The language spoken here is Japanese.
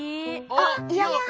あっいや。